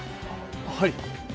はい。